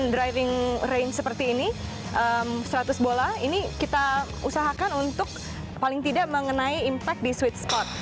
driving range seperti ini seratus bola ini kita usahakan untuk paling tidak mengenai impact di swit spot